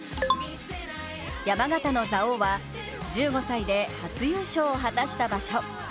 山形の蔵王は１５歳で初優勝を果たした場所。